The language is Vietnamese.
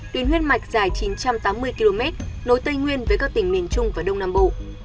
tuyến huyết mạch dài chín trăm tám mươi km nối tây nguyên với các tỉnh miền trung và đông nam bộ